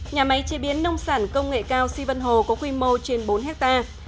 nhà máy chế biến nông sản công nghệ cao si vân hồ có quy mô trên bốn hectare